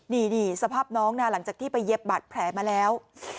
นี่สภาพน้องนะหลังจากที่ไปเย็บบาดแผลมาแล้ว